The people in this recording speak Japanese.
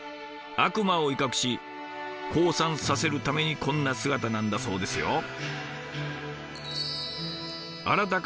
悪魔を威嚇し降参させるためにこんな姿なんだそうですよ。